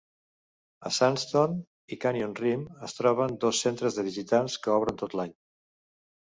A Sandstone i Canyon Rim es troben dos centres de visitants que obren tot l'any.